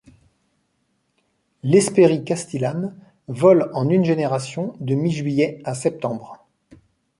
L'Hespérie castillane vole en une génération de mi-juillet à septembre.